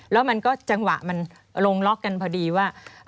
แล้วมันก็จังหวะมันลงล็อกกันพอดีว่า